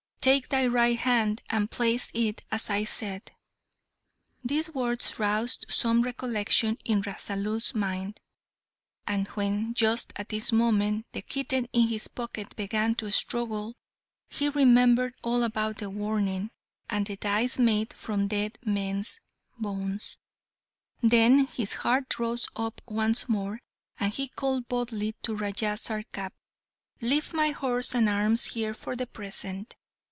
Take thy right hand, and place it as I said." [Illustration: Raja Rasalu plays chaupur with Raja Sarkap.] These words roused some recollection in Rasalu's mind, and when, just at this moment, the kitten in his pocket began to struggle, he remembered all about the warning, and the dice made from dead men's bones. Then his heart rose up once more, and he called boldly to Raja Sarkap, "Leave my horse and arms here for the present.